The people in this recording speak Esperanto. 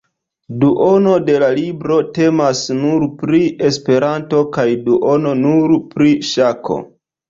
Duono de la libro temas nur pri Esperanto kaj duono nur pri ŝako.